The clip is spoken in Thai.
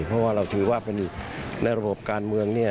เพราะว่าเราถือว่าในระบบการเมือง